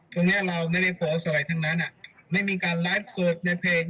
ตรงนี้เราไม่ได้โพสต์อะไรทั้งนั้นไม่มีการไลฟ์สดในเพลง